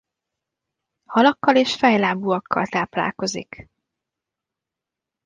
Halakkal és fejlábúakkal táplálkozik.